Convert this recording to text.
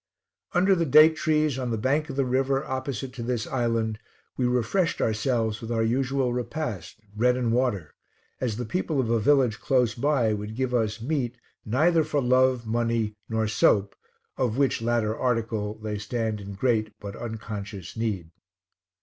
Under the date trees, on the bank of the river opposite to this island, we refreshed ourselves with our usual repast, bread and water, as the people of a village close by would give us meat neither for love, money, nor soap, of which latter article they stand in great but unconscious need.